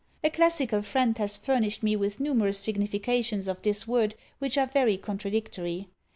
A classical friend has furnished me with numerous significations of this word which are very contradictory.